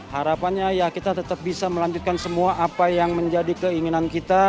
harapannya ya kita tetap bisa melanjutkan semua apa yang menjadi keinginan kita